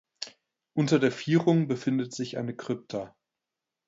Unter der Vierung befindet sich eine Krypta.